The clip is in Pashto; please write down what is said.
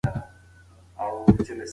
ټکنالوژي پښتو ته نوي فرصتونه ورکوي.